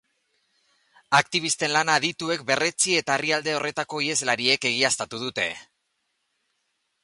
Aktibisten lana adituek berretsi eta herrialde horretako iheslariek egiaztatu dute.